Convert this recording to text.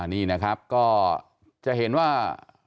นี่นะครับก็จะเห็นว่า